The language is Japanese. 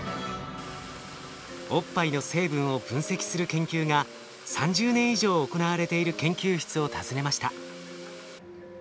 おっぱいの成分を分析する研究が３０年以上行われている研究室を訪ねました。